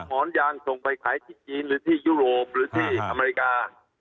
หมอนยางส่งไปขายที่จีนหรือที่ยุโรปหรือที่อเมริกา